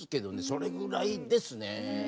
それぐらいですね。